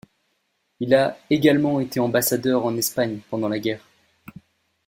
Il a également été ambassadeur en Espagne pendant la guerre.